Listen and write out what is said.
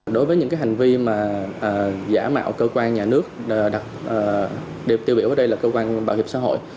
đối với những hành vi giả mạo cơ quan nhà nước đều tiêu biểu đây là cơ quan bảo hiểm xã hội